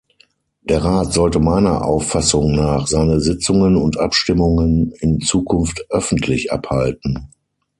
Der Rat sollte meiner Auffassung nach seine Sitzungen und Abstimmungen in Zukunft öffentlich abhalten.